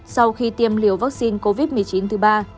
sau khi tiêm liều vaccine covid một mươi chín thứ ba